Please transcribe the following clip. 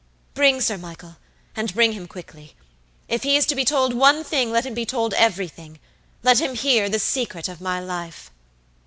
Bring Sir Michael; and bring him quickly. If he is to be told one thing let him be told everything; let him hear the secret of my life!"